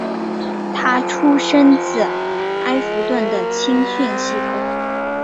他出身自埃弗顿的青训系统。